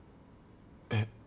えっ？